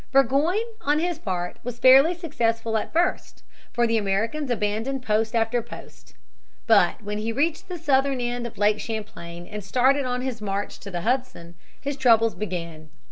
Burgoyne, on his part, was fairly successful at first, for the Americans abandoned post after post. But when he reached the southern end of Lake Champlain, and started on his march to the Hudson, his troubles began.